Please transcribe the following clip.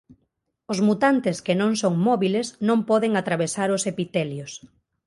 Os mutantes que non son móbiles non poden atravesar os epitelios.